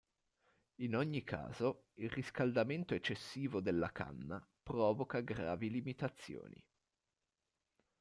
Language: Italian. In ogni caso, il riscaldamento eccessivo della canna provoca gravi limitazioni.